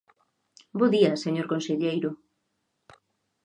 Bo día, señor conselleiro.